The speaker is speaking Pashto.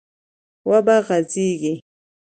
و به غځېږي،